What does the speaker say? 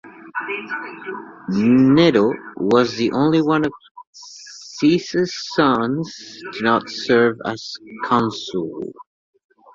Nero was the only one of Caecus sons to not serve as consul.